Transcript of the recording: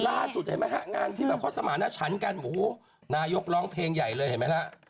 ล่าสุดเมื่องานที่เขาสมานะฉันกันโอ้โหเดี๋ยวนายกร้องเพลงใหญ่เลยเห็นไหมฮะ